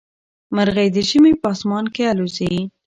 مرغۍ د ژمي په اسمان کې الوزي.